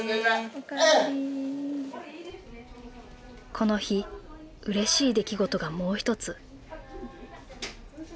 この日うれしい出来事がもう一つ。